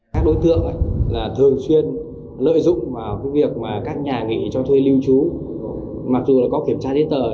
các đối tượng thường xuyên lợi dụng vào các nhà nghỉ cho thuê lưu trú mặc dù có kiểm tra đến tờ